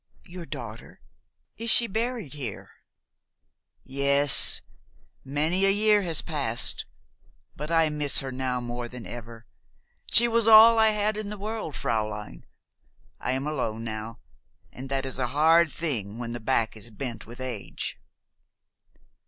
"Your daughter? Is she buried here?" "Yes. Many a year has passed; but I miss her now more than ever. She was all I had in the world, fräulein. I am alone now, and that is a hard thing when the back is bent with age."